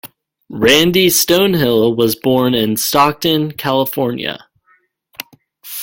Randy Stonehill was born in Stockton, California.